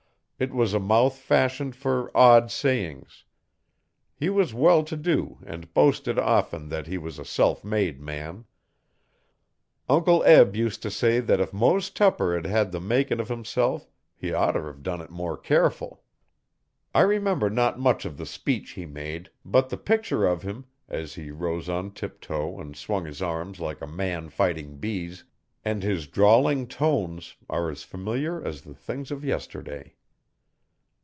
It was a mouth fashioned for odd sayings. He was well to do and boasted often that he was a self made man. Uncle Be used to say that if Mose Tupper had had the 'makin' uv himself he'd oughter done it more careful.' I remember not much of the speech he made, but the picture of him, as he rose on tiptoe and swung his arms like a man fighting bees, and his drawling tones are as familiar as the things of yesterday.